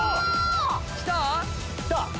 きた！